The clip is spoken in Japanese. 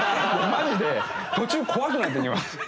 マジで途中怖くなってきます。